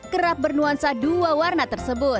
kerap bernuansa dua warna tersebut